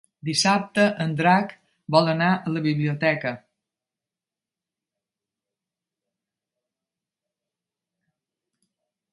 Dissabte en Drac vol anar a la biblioteca.